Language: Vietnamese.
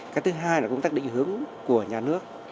cái thứ hai là công tác định hướng của nhà nước